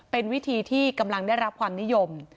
เป็นวิธีที่กำลังได้รับความนิยม